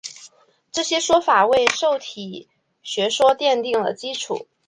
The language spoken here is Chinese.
这些说法为受体学说奠定了基础。